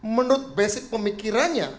menurut basic pemikirannya